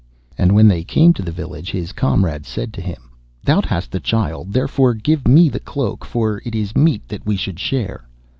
And when they came to the village, his comrade said to him, 'Thou hast the child, therefore give me the cloak, for it is meet that we should share.